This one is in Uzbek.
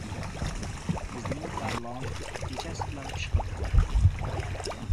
Bizning Tarlon kechasi bilan pishqirdi.